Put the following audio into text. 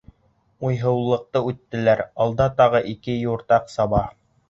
Уйһыулыҡты үттеләр, алда тағы ике юртаҡ саба.